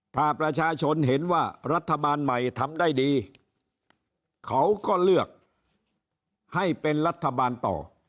ถ้าประชาชนเห็นว่ารัฐบาลใหม่ทำได้ดีเขาก็เลือกให้เป็นรัฐบาลต่อ